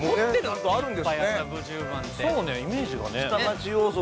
そうねイメージがね。